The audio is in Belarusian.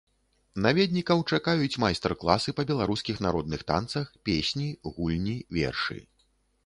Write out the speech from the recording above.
Наведнікаў чакаюць майстар-класы па беларускіх народных танцах, песні, гульні, вершы.